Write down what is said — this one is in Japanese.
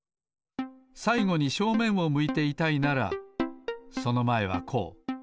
さいごに正面を向いていたいならそのまえはこう。